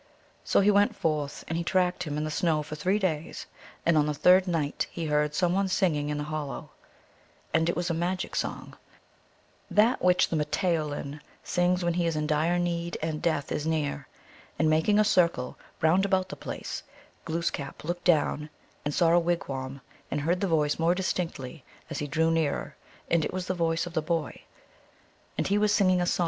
So he went forth, and he tracked him in the snow for three days ; and on the third night he heard some one singing in a hollow; and it was a magic song, that which the rrfUoulin sings when he is in dire need and death is near. And making a circle round about the place, Glooskap looked down and saw a wigwam, and heard the voice more distinctly as he drew nearer; and it was the voice of the boy, and he was singing a song 1 Evidently no other than Marten, or the Abistauooch of the Micmac mythology.